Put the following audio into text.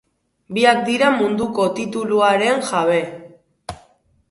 Biak dira munduko tituluaren jabe.